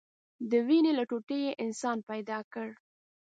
د وينې له ټوټې يې انسان پيدا كړ.